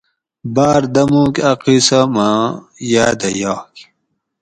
باۤر دموک اۤ قیصہ ماں یادہ یاگ